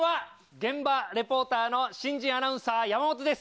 現場レポーターの新人アナウンサー、山本です。